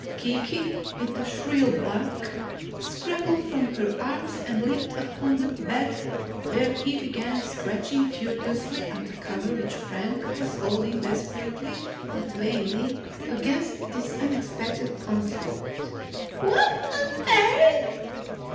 Kiki, with a shrill bark, scrambled from her arms and leaped upon the bed where he began scratching furiously at the cover which Frank was holding desperately but vainly against this unexpected onslaught. "What on earth